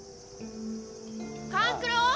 ・勘九郎！